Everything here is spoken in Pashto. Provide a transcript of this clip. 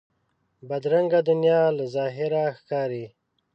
بدرنګه دنیا له ظاهره ښکاري